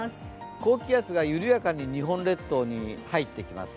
高気圧が緩やかに日本列島に入っていきます。